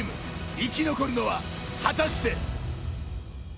生き残るのは果たして。